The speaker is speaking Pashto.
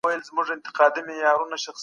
پرمختګ يوه طبيعي چاره ګڼل کيږي.